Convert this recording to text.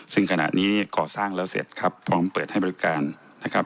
ซึ่งขณะนี้ก่อสร้างแล้วเสร็จครับพร้อมเปิดให้บริการนะครับ